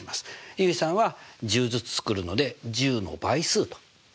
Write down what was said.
結衣さんは１０ずつ作るので１０の倍数というのを使ってるんですね。